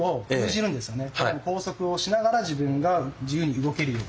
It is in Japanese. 拘束をしながら自分が自由に動けるように動いていく。